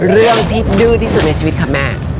เรื่องที่ดื้อที่สุดในชีวิตค่ะแม่